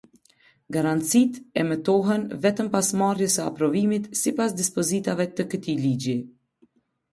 Garancitë emetohen vetëm pas marrjes së aprovimit sipas dispozitave të këtij ligji.